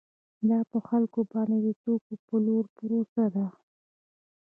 دا په خلکو باندې د توکو د پلورلو پروسه ده